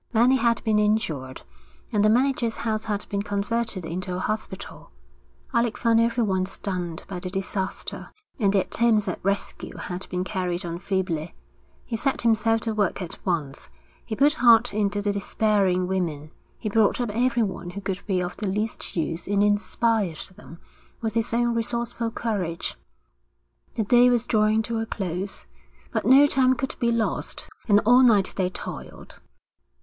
Many had been injured, and the manager's house had been converted into a hospital. Alec found everyone stunned by the disaster, and the attempts at rescue had been carried on feebly. He set himself to work at once. He put heart into the despairing women. He brought up everyone who could be of the least use and inspired them with his own resourceful courage. The day was drawing to a close, but no time could be lost; and all night they toiled.